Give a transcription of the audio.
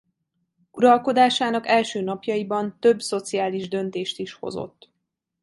Uralkodásának első napjaiban több szociális döntést is hozott.